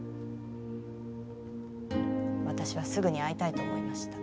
私はすぐに会いたいと思いました。